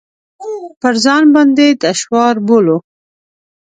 پر ځان باندې دشوار بولو.